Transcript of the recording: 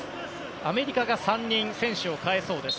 アメリカが３人選手を代えそうです。